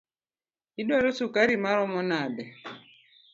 Iduaro sukari maromo nade?